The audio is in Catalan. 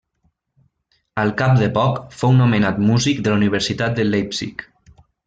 Al cap de poc fou nomenat músic de la universitat de Leipzig.